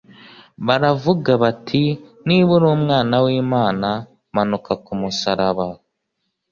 Baravuga bati: "Niba uri Umwana w'Imana, manuka ku musaraba."